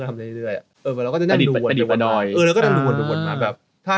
แล้วเราจะรวดมา